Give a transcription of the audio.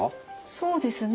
そうですね